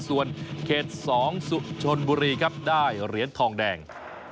ส่วนเขต๒สุชนบุรีครับได้เหรียญทองแดง